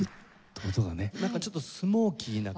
なんかちょっとスモーキーな感じ。